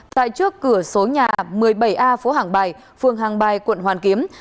tại trước cửa số nhà một mươi bảy a phố hàng bài phường hàng bài quận hoàn kiếm